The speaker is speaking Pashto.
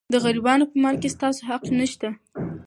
د غریبانو په مال کې ستاسو حق نشته.